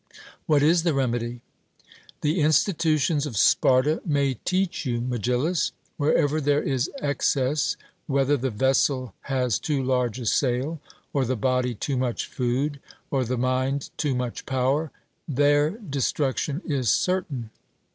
'What is the remedy?' The institutions of Sparta may teach you, Megillus. Wherever there is excess, whether the vessel has too large a sail, or the body too much food, or the mind too much power, there destruction is certain.